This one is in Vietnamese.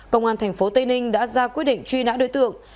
công an tp tây ninh đã ra quyết định truy nã đối tượng